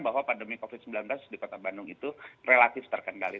bahwa pandemi covid sembilan belas di kota bandung itu relatif terkendali